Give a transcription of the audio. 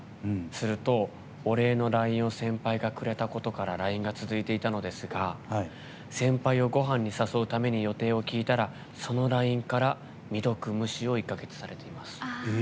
すると、お礼のＬＩＮＥを先輩がくれたことからＬＩＮＥが続いていたのですが先輩をごはんに誘うために予定を聞いたらそのＬＩＮＥから未読無視を１か月されています。